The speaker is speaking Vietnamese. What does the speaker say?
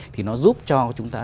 thì nó giúp cho chúng ta